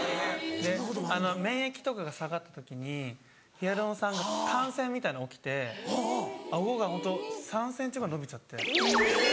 免疫とかが下がった時にヒアルロン酸が感染みたいの起きて顎がホント３ｃｍぐらい伸びちゃって。